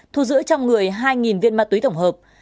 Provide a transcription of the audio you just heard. thu giữ trong người hai viên ma túy tổng hợp